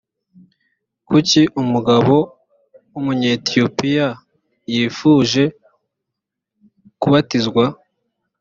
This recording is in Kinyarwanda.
kuki umugabo w’umunyetiyopiya yifuje kubatizwa?